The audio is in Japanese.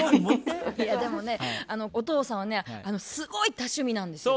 でもねお父さんはねすごい多趣味なんですよ。